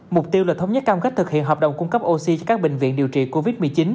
mục tiêu là thống nhất cam kết thực hiện hợp đồng cung cấp oxy cho các bệnh viện điều trị covid một mươi chín